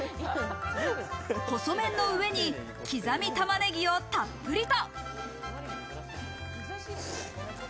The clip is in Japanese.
細麺の上に刻み玉ねぎをたっぷりと。